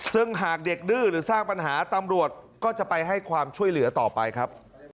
ซึ่งหากเด็กดื้อหรือสร้างปัญหาตำรวจก็จะไปให้ความช่วยเหลือต่อไปครับ